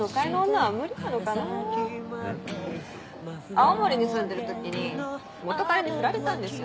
青森に住んでる時に元カレにフラれたんですよ。